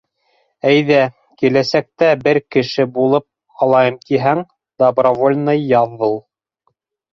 Әйҙә, киләсәктә бер кеше булып алайым тиһәң, добровольный яҙыл.